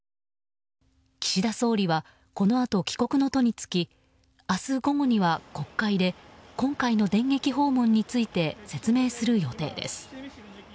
岸田総理はこのあと帰国の途に就き明日午後には国会で今回の電撃訪問について説明する予定です。